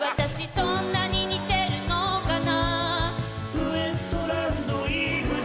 「そんなに似てるのかな」